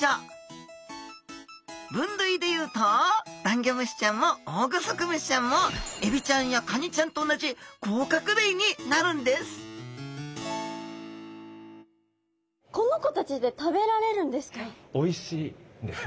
分類で言うとダンギョムシちゃんもオオグソクムシちゃんもエビちゃんやカニちゃんと同じ甲殻類になるんですおいしいんです。